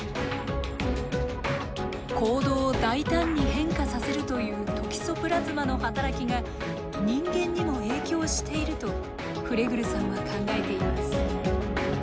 行動を大胆に変化させるというトキソプラズマの働きが人間にも影響しているとフレグルさんは考えています。